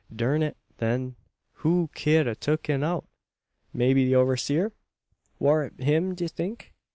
"Durn it, then, who ked a tuk him out? Maybe the overseer? War it him d'ye think?"